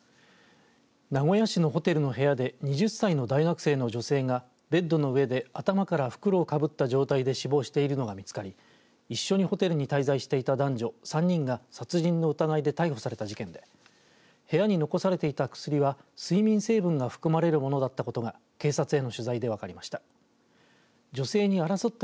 名古屋市のホテルの部屋で２０歳の大学生の女性がベッドの上で頭から袋かぶった状態で死亡しているのが見つかり一緒にホテルに滞在していた男女３人が殺人の疑いで逮捕された事件で部屋に残されていた薬は睡眠成分が含まれるものだったことが警察への取材で分かりました。